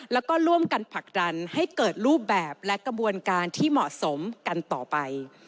แล้วก็ร่วมกันผลักดันให้เกิดรูปแบบและกระบวนการที่เหมาะสมกันต่อไป